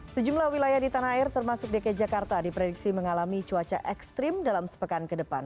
sejumlah wilayah di tanah air termasuk dki jakarta diprediksi mengalami cuaca ekstrim dalam sepekan ke depan